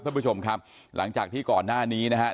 ท่านผู้ชมครับหลังจากที่ก่อนหน้านี้นะครับ